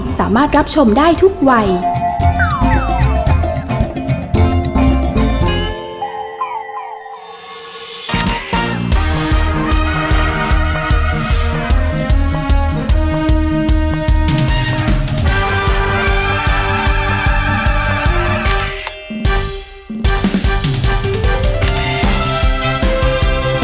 แม่บ้านประชัยบ้านสวัสดีค่ะ